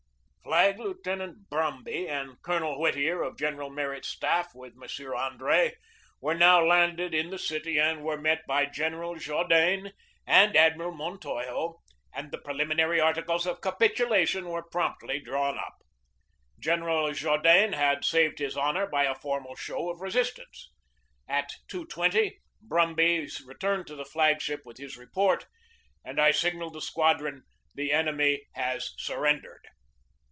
Flag Lieutenant Brumby and Colonel Whittier, of General Merritt's staff, with M. Andre, were now landed in the city and were met by General Jaudenes and Admiral Montojo, and the preliminary articles of capitulation were promptly drawn up. 1 General Jaudenes had saved his honor by a formal show of resistance. At 2.20 Brumby returned to the flag ship with his report and I signalled the squadron: "The enemy has surrendered."